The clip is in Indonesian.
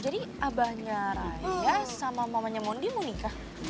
jadi abahnya raya sama mamanya mondi mau nikah